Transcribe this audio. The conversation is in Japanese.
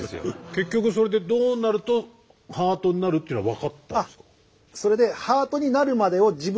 結局それでどうなるとハートになるっていうのは分かったんですか？